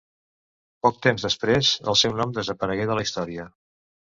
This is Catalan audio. Poc temps després el seu nom desaparegué de la història.